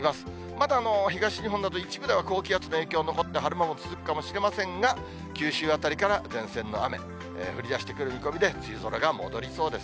まだ東日本など、一部では高気圧の影響残って、晴れ間も続くかもしれませんが、九州辺りから前線の雨、降りだしてくる見込みで、梅雨空が戻りそうです。